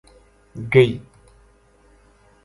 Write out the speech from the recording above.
گئی